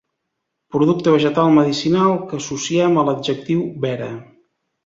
Producte vegetal medicinal que associem a l'adjectiu vera.